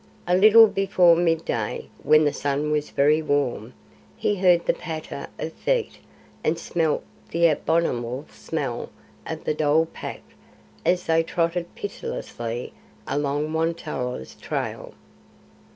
A little before mid day, when the sun was very warm, he heard the patter of feet and smelt the abominable smell of the dhole pack as they trotted pitilessly along Won tolla's trail.